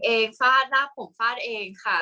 แต่งเองฟาดหน้าผมฟาดเองค่ะ